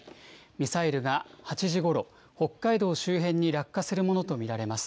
ミサイルが８時ごろ、北海道周辺に落下するものと見られます。